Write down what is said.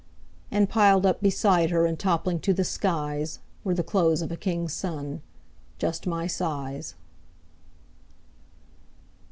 And piled up beside her And toppling to the skies, Were the clothes of a king's son, Just my size.